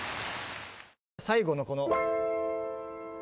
最後のこの。